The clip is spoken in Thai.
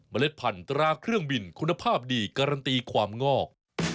เล็ดพันธราเครื่องบินคุณภาพดีการันตีความงอก